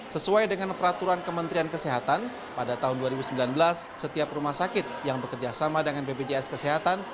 sesuai dengan peraturan kementerian kesehatan pada tahun dua ribu sembilan belas setiap rumah sakit yang bekerjasama dengan bpjs kesehatan